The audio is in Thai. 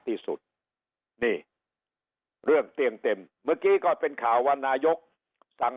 ที่สุดนี่เรื่องเตียงเต็มเมื่อกี้ก็เป็นข่าวว่านายกสั่ง